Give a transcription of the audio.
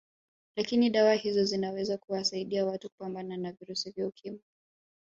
Lakini dawa hizo zinaweza kuwasaidia watu kupambana na virusi vya Ukimwi